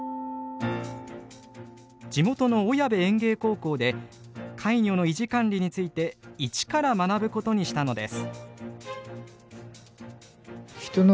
地元の小矢部園芸高校でカイニョの維持管理について一から学ぶことにしたのです。